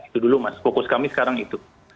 itu dulu mas fokus kami sekarang itu